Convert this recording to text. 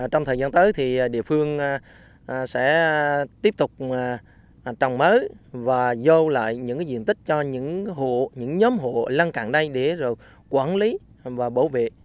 trong thời gian tới thì địa phương sẽ tiếp tục trồng mới và dâu lại những diện tích cho những nhóm hộ lăn cạn đây để quản lý và bảo vệ